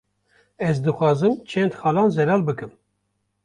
Ez dixwazim çend xalan zelal bikim